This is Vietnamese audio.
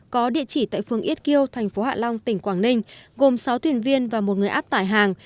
có địa chỉ tại phường ít kiêu thành phố hạ long tỉnh quảng ninh gồm sáu thuyền viên và một người áp tải hàng